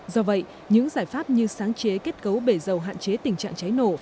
do vậy những giải pháp như sáng chế kết cấu bể dầu hạn chế tình trạng cháy nổ